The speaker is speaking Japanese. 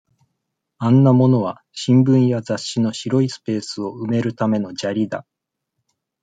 あんな物は、新聞や雑誌の白いスペースを埋めるための砂利だ。